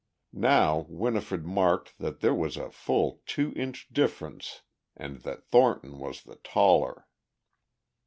Now Winifred marked that there was a full two inch difference and that Thornton was the taller.